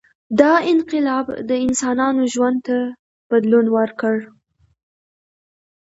• دا انقلاب د انسانانو ژوند ته بدلون ورکړ.